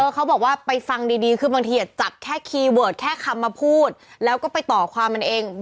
เขาบอกว่าไปฟังดีคือบางทีจับแค่คีย์เวิร์ดแค่คำมาพูดแล้วก็ไปต่อความมันเอง